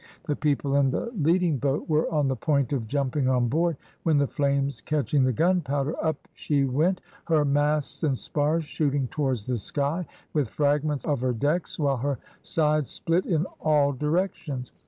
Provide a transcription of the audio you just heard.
The people in the leading boat were on the point of jumping on board, when the flames catching the gunpowder, up she went, her masts and spars shooting towards the sky, with fragments of her decks, while her sides split in all directions.